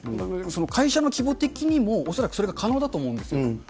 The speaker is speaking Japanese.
その会社の規模的にも、恐らくそれが可能だと思うんですよ。